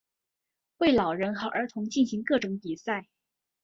为老人和儿童进行各种比赛。